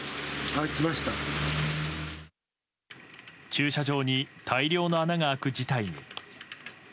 駐車場に大量の穴が開く事態に。